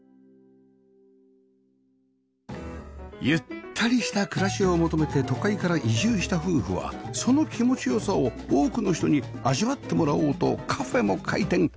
ゆったりした暮らしを求めて都会から移住した夫婦はその気持ちよさを多くの人に味わってもらおうとカフェも開店